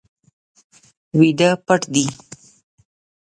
ویده پټ دی